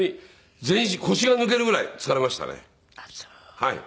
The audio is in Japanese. はい。